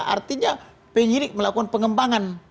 artinya penyidik melakukan pengembangan